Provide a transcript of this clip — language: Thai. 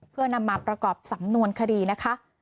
เพื่อนำมาประกอบสำนวนคดีนะคะ